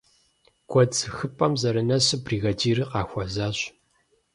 Гуэдз хыпӀэм зэрынэсу, бригадирыр къахуэзащ.